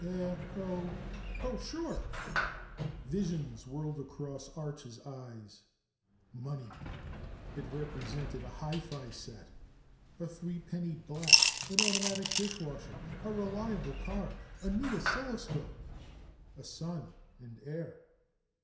"Eh oh. Oh, sure!" Visions whirled across Arch's eyes. Money! It represented a hi fi set, a three penny black, an automatic dishwasher, a reliable car, a new oscilloscope, a son and heir.